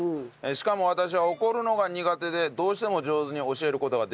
しかも私は怒るのが苦手でどうしても上手に教える事ができません。